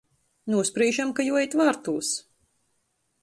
Nūsprīžam, ka juoīt vārtūs.